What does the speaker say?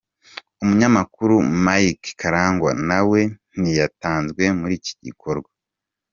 Umunyamakuru Mike Karangwa nawe ntiyatanzwe muri iki gikorwa.